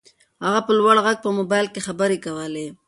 هغه په لوړ غږ په موبایل کې خبرې کولې.